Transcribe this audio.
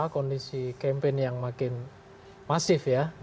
kondisi campaign yang makin masif ya